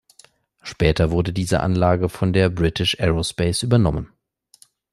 Später wurde diese Anlage von der British Aerospace übernommen.